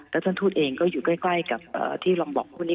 แล้วท่านทูตเองก็อยู่ใกล้กับที่ลองบอกคู่นี้